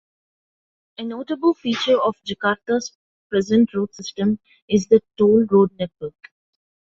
A notable feature of Jakarta's present road system is the toll road network.